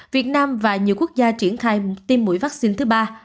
việt nam và nhiều quốc gia triển khai tiêm mũi vắc xin thứ ba